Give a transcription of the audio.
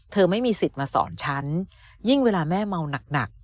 ไม่มีสิทธิ์มาสอนฉันยิ่งเวลาแม่เมาหนัก